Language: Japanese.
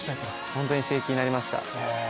本当に刺激になりました。